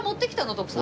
徳さん